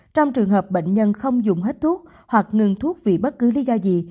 trong trường hợp bệnh nhân không dùng hết thuốc hoặc ngừng thuốc vì bất cứ lý do gì